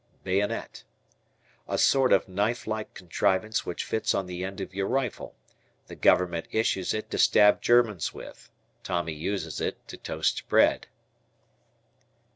Bayonet. A sort of knife like contrivance which fits on the end of your rifle. The Government issues it to stab Germans with. Tommy uses it to toast bread.